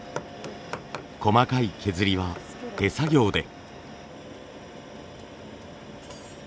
細かい削りは手作業で。